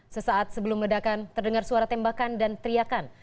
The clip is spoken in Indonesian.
sesaat sebelum ledakan terdengar suara tembakan dan teriakan